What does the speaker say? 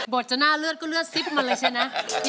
ดจะหน้าเลือดก็เลือดซิบมาเลยใช่ไหม